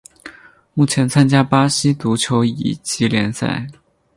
目前参加巴西足球乙级联赛。